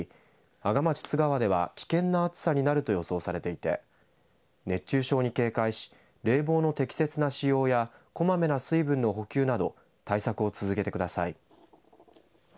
阿賀町津川では危険な暑さになると予想されていて熱中症に警戒し冷房の適切な使用やこまめな水分の補給など対策を続けてください。